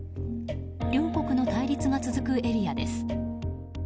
両国の対立が続くエリアです。